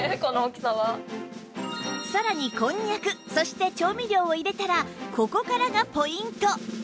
さらにこんにゃくそして調味料を入れたらここからがポイント！